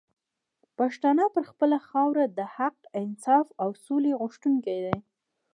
پښتانه پر خپله خاوره د حق، انصاف او سولي غوښتونکي دي